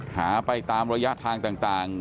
หาไปตามระยะทางต่าง